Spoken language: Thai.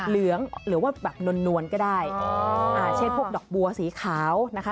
เหลืองหรือว่าแบบนวลก็ได้เช่นพวกดอกบัวสีขาวนะคะ